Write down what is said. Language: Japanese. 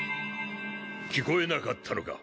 聞こえなかったのか？